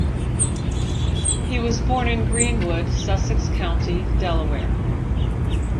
He was born in Greenwood, Sussex County, Delaware.